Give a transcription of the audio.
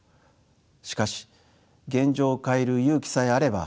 しかし現状を変える勇気さえあれば見え